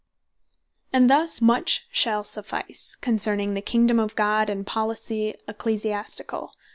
And thus much shall suffice, concerning the Kingdome of God, and Policy Ecclesiasticall.